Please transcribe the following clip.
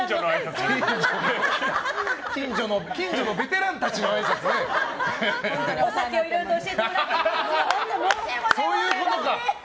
近所のベテランたちのいろいろとそういうことか。